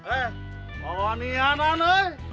eh bawa ni anan eh